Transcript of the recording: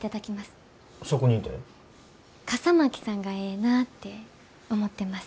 笠巻さんがええなって思ってます。